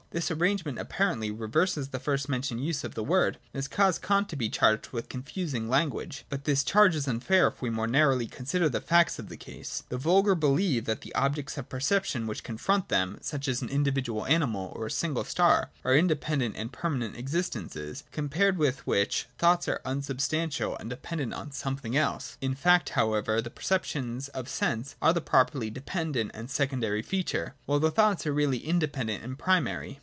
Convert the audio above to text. This arrangement apparently reverses the first mentioned use of the word, and has caused Kant to be charged with confusing language. But the charge is unfair if we more narrowly consider the facts of the case. The vulgar believe that the objects of perception which confront them, such as an individual animal, or a single star, are independent and permanent existences, compared with which, thoughts are unsubstantial and dependent on something else. In fact however the perceptions of sense are the properly dependent and secondary feature, while the thoughts are really inde pendent and primary.